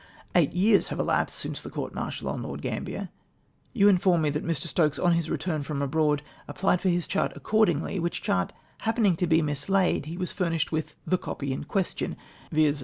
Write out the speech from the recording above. Eight years having elapsed since the court martial on Lord Gambler, you inform me that 'Mr. Stokes on his return from abroad applied for his chart accordingly, which chart happening to be mislaid, he was furnished i(jith the copy in question,' viz.